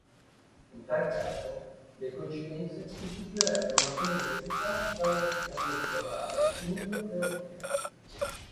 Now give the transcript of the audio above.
In tal caso, le coincidenze costituirebbero una comune eredità da un'antica poesia orale indoeuropea.